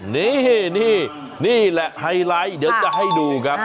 นี่นี่แหละไฮไลท์เดี๋ยวจะให้ดูครับ